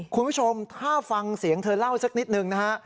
คุณผู้ชมถ้าฟังเสียงเธอเล่าสักนิดนึงนะฮะ